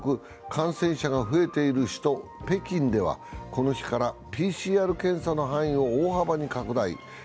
感染者が増えている首都・北京ではこの日からＰＣＲ検査の範囲を大幅に拡大。